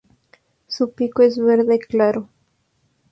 Su pico es verde claro.